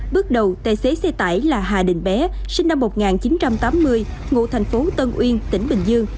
bước đầu tài xế xe tải là hà đình bé sinh năm một nghìn chín trăm tám mươi ngụ thành phố tân uyên tỉnh bình dương